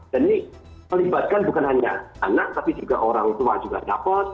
dan ini melibatkan bukan hanya anak tapi juga orang tua juga dapat